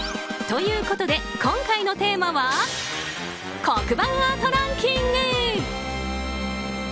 ということで、今回のテーマは黒板アートランキング。